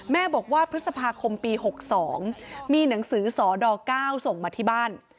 แม่บอกว่าพฤษภาคมปี๖๒มีหนังสือสด๙ส่งมาที่บ้าน